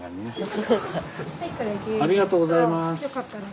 ありがとうございます。